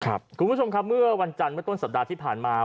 คุณผู้ชมครับเมื่อวันจันทร์เมื่อต้นสัปดาห์ที่ผ่านมา